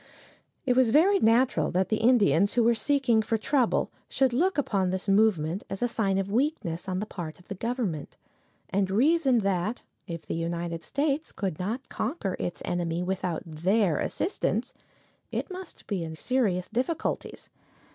It was very natural that the Indians who were seeking for trouble should look upon this movement as a sign of weakness on the part of the government, and reason that, if the United States could not conquer its enemy without their assistance, it must be in serious difficulties.